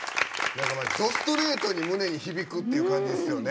ドストレートに胸に響くっていう感じですよね。